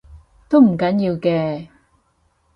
都唔緊要嘅